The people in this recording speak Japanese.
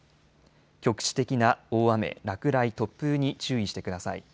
局地的な大雨、落雷、突風に注意してください。